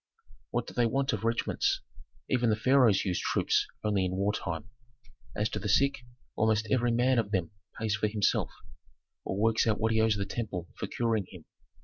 "What do they want of regiments? Even the pharaohs use troops only in wartime. As to the sick, almost every man of them pays for himself, or works out what he owes the temple for curing him.